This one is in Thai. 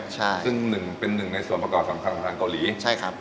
ซึ่งเป็นหนึ่งในส่วนประกอบสำคัญของทางเกาหลี